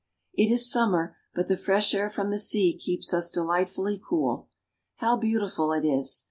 It is summer, but the fresh air from the sea keeps us delightfully cool. How beautiful it is